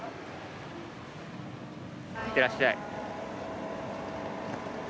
行ってらっしゃい。